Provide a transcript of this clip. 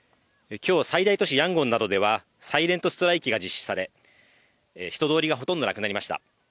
今日、最大都市ヤンゴンなどでは、サイレント・ストライキが実施され人通りがほとんどなくなりました。